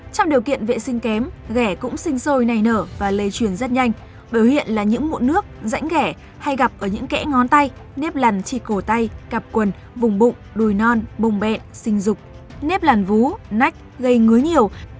trong điều kiện vệ sinh kém ghẻ cũng sinh sôi nảy nở và lây truyền rất nhanh biểu hiện là những mụn nước rãnh ghẻ hay gặp ở những kẽ ngón tay nếp lằn trị cổ tay cạp quần vùng bụng đùi non bông bẹn sinh dục nếp lằn vú nách gây ngứa nhiều